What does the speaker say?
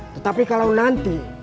tetapi kalau nanti